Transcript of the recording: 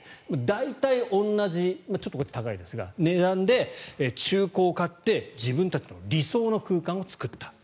大体同じちょっとこちらが高いですが中古を買って自分たちの理想の空間を作った。